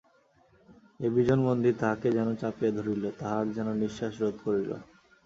এই বিজন মন্দির তাঁহাকে যেন চাপিয়া ধরিল, তাঁহার যেন নিশ্বাস রোধ করিল।